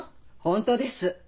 本当です。